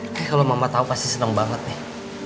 kayak kalau mama tau pasti seneng banget nih